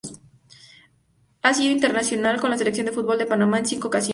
Ha sido internacional con la Selección de Fútbol de Panamá en cinco ocasiones.